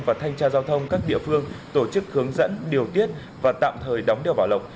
và thanh tra giao thông các địa phương tổ chức hướng dẫn điều tiết và tạm thời đóng đèo bảo lộc